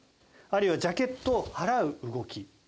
あるいはジャケットを払う動き。